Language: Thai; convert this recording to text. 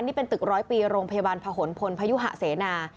นี่เป็นตึกร้อยปีโรงพยาบาลผนพลพยุหะเสนา